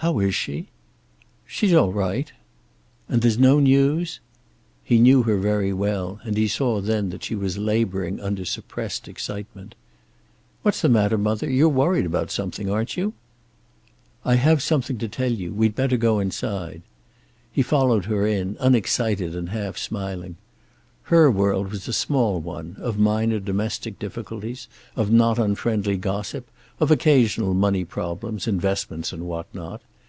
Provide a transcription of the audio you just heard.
"How is she?" "She's all right." "And there's no news?" He knew her very well, and he saw then that she was laboring under suppressed excitement. "What's the matter, mother? You're worried about something, aren't you?" "I have something to tell you. We'd better go inside." He followed her in, unexcited and half smiling. Her world was a small one, of minor domestic difficulties, of not unfriendly gossip, of occasional money problems, investments and what not.